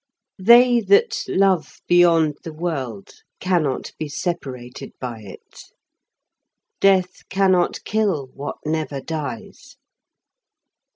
They that love beyond the World, cannot be separated by it.128. Death cannot kill, what never dies.